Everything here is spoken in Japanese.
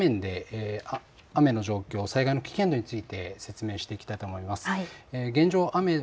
ここから、こちらの画面で雨の状況、災害の危険度について説明していきたいと思います。